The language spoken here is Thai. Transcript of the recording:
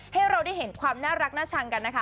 ให้เราได้เห็นความน่ารักน่าชังกันนะคะ